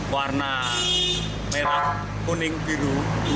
warna merah kuning biru